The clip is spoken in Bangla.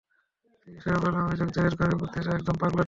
চিকিৎসায় অবহেলার অভিযোগ দায়ের করার বুদ্ধিটা একদম পাগলাটে!